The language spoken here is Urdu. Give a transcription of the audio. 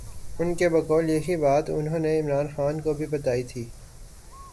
ان کے بقول یہی بات انہوں نے عمران خان کو بھی بتائی تھی۔